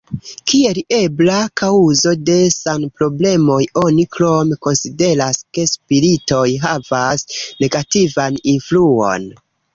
Kiel ebla kaŭzo de sanproblemoj oni krome konsideras ke spiritoj havas negativan influon.